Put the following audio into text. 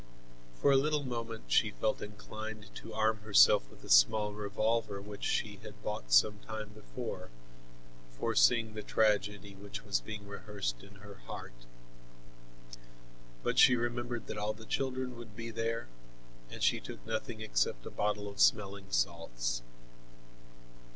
For a little moment she felt inclined to arm herself with a small revolver which she had bought some time before, foreseeing the tragedy which was being rehearsed in her heart. But she remembered that all the children would be there, and she took nothing except a bottle of smelling salts.